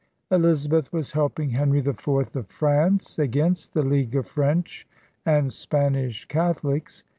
Eliza beth was helping Henry IV of France against the League of French and Spanish Catholics.